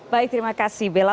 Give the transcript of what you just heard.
baik terima kasih bella